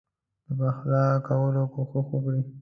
د پخلا کولو کوښښ وکړي.